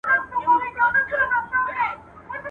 یوه ورځ یې زوی له ځان سره سلا سو.